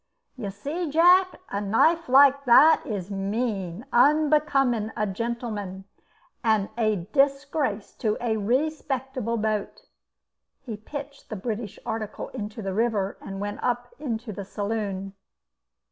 "You see, Jack, a knife like that is mean, unbecoming a gentleman, and a disgrace to a respectable boat." He pitched the British article into the river and went up into the saloon.